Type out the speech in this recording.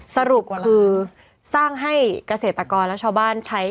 สรุปคือสร้างให้เกษตรกรและชาวบ้านใช้